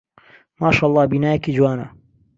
ماشەڵڵا بینایەکی جوانە.